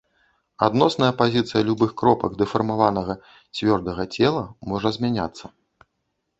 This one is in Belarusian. Адносная пазіцыя любых кропак дэфармаванага цвёрдага цела можа змяняцца.